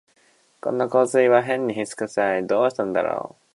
この香水はへんに酢くさい、どうしたんだろう